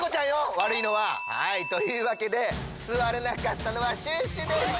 わるいのは。というわけですわれなかったのはシュッシュでした！